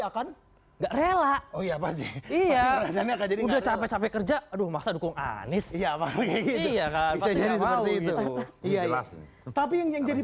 akan enggak rela oh ya pasti iya udah capek capek kerja aduh masa dukung anies iya tapi yang jadi